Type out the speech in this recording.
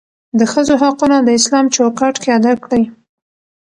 دښځو حقونه داسلام چوکاټ کې ادا کړى.